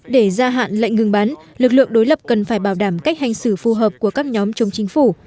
để gia hạn lệnh ngừng bắn lực lượng đối lập cần phải bảo đảm cách hành xử phù hợp của các nhóm chống chính phủ